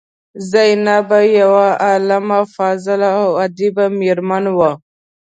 زینب یوه عالمه، فاضله او ادیبه میرمن وه.